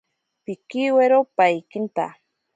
Pikiwiro paikinta.